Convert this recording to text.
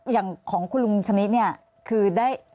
อย่างของคุณลุงชนิดเนี่ยคือได้